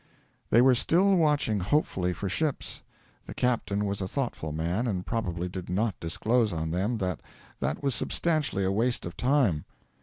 They were still watching hopefully for ships. The captain was a thoughtful man, and probably did not disclose on them that that was substantially a waste of time.